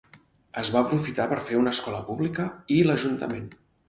Es va aprofitar per fer una escola pública i l'ajuntament.